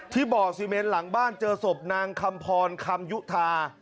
บ่อซีเมนหลังบ้านเจอศพนางคำพรคำยุธา